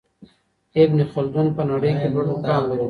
ابن خلدون په نړۍ کي لوړ مقام لري.